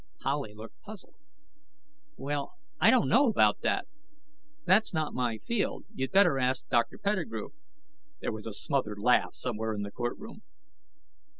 Howley looked puzzled. "Well, I don't know about that. That's not my field. You better ask Dr. Pettigrew." There was a smothered laugh somewhere in the courtroom.